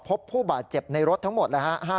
พบผู้บาดเจ็บในรถทั้งหมดเลยฮะ